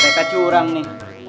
wah mereka curang nih